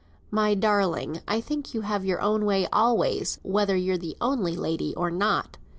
"My darling, I think you have your own way always, whether you're the only lady or not."